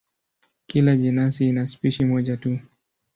Kila jenasi ina spishi moja tu.